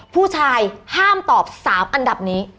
ผู้ชายห้ามตอบ๓อันดับนี้